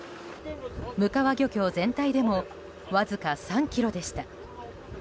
鵡川漁協全体でもわずか３ｋｇでした。